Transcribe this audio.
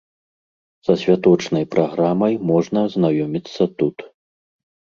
Са святочнай праграмай можна азнаёміцца тут.